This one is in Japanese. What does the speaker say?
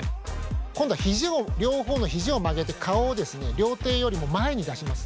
今度は肘を両方の肘を曲げて顔を両手よりも前に出します。